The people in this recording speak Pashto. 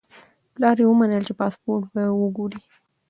پلار یې ومنله چې پاسپورت به وګوري.